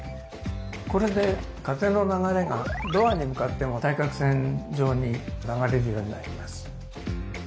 これで風の流れがドアに向かっても対角線上に流れるようになります。